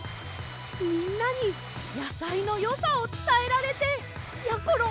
みんなにやさいのよさをつたえられてやころ